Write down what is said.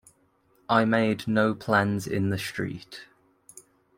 I made no plans in the street.